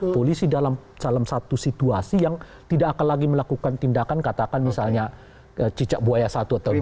polisi dalam satu situasi yang tidak akan lagi melakukan tindakan katakan misalnya cicak buaya satu atau dua